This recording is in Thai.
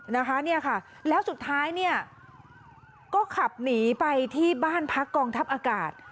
นะคะเนี่ยค่ะแล้วสุดท้ายเนี่ยก็ขับหนีไปที่บ้านพักกองทัพอากาศ